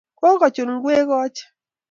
Kokochun ngwek koche